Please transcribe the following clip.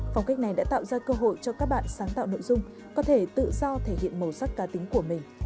phong cách này đã tạo ra cơ hội cho các bạn sáng tạo nội dung có thể tự do thể hiện màu sắc cá tính của mình